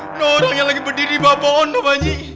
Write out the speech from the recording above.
tidak orang lagi berdiri di bawah pohon baji